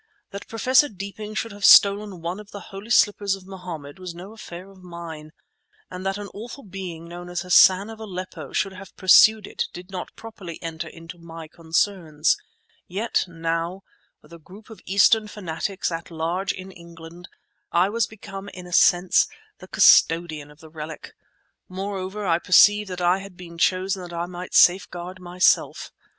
That Professor Deeping should have stolen one of the holy slippers of Mohammed was no affair of mine, and that an awful being known as Hassan of Aleppo should have pursued it did not properly enter into my concerns; yet now, with a group of Eastern fanatics at large in England, I was become, in a sense, the custodian of the relic. Moreover, I perceived that I had been chosen that I might safeguard myself.